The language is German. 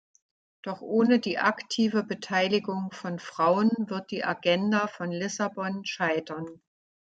Doch ohne die aktive Beteiligung von Frauen wird die Agenda von Lissabon scheitern.